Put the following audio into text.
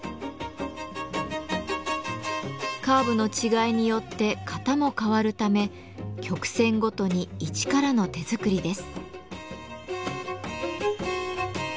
カーブの違いによって型も変わるため曲線ごとに一からの手作りです。